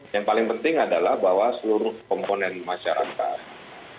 yang paling penting adalah bahwa seluruh komponen masyarakat